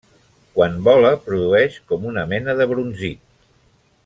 Quan vola produeix com una mena de brunzit.